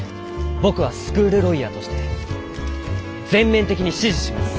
僕はスクールロイヤーとして全面的に支持します。